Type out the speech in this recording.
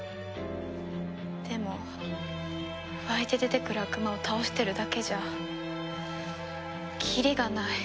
でも湧いて出てくる悪魔を倒してるだけじゃきりがない。